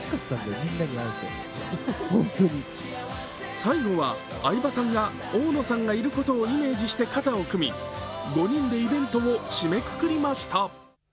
最後は相葉さんが大野さんがいることをイメージして肩を組み５人でイベントを締めくくりました